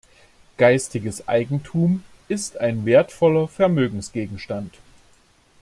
Geistiges Eigentum ist ein wertvoller Vermögensgegenstand.